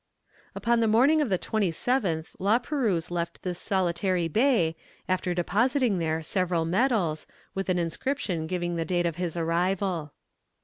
Upon the morning of the 27th La Perouse left this solitary bay, after depositing there several medals, with an inscription giving the date of his arrival.